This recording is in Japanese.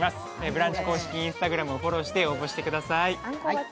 「ブランチ」公式Ｉｎｓｔａｇｒａｍをフォローして応募してください。